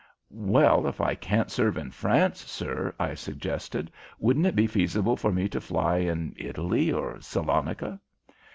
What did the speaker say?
"Well, if I can't serve in France, sir," I suggested, "wouldn't it be feasible for me to fly in Italy or Salonica?"